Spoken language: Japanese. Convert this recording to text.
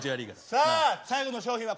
さあ最後の商品はこちら！